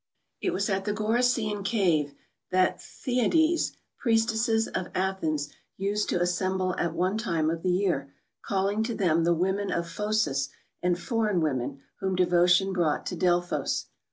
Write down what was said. It was at the Gorycian cave that the Thyades, priestesses of Athens, used to assemble at one time of the year, calling to them the women of Phocis and foreign women, wliom devotion brought to Delphos.